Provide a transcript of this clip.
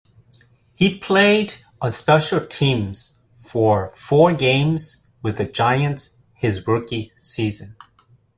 He played on special teams for four games with the Giants his rookie season.